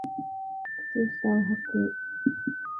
靴下をはく